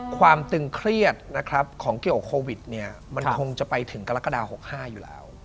ความตึงเครียดนะครับของเกี่ยวกับโควิดเนี่ยมันคงจะไปถึงกรกฎา๖๕อยู่แล้ว